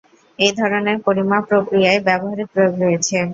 এই ধরনের পরিমাপ প্রক্রিয়ার ব্যবহারিক প্রয়োগ রয়েছে।